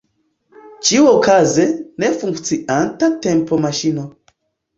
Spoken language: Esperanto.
Ĉiuokaze, ne funkcianta tempomaŝino.